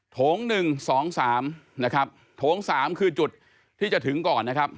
โถงหนึ่งสองสามนะครับโถงสามคือจุดที่จะถึงก่อนนะครับ